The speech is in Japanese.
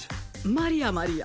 マリアマリア